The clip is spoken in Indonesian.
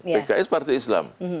pks partai islam